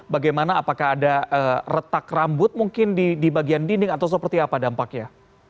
bagaimana apakah ada retak rambut mungkin di bagian dinding atau seperti apa dampaknya